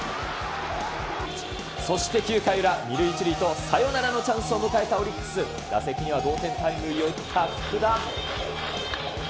そして９回裏、２塁１塁と、サヨナラのチャンスを迎えたオリックス、打席には同点タイムリーを打った福田。